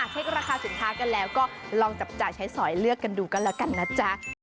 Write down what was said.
เช็คราคาสินค้ากันแล้วก็ลองจับจ่ายใช้สอยเลือกกันดูกันแล้วกันนะจ๊ะ